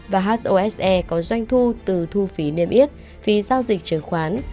và hose có doanh thu từ thu phí niêm yết phí giao dịch chứng khoán